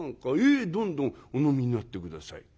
「ええどんどんお飲みになって下さい」。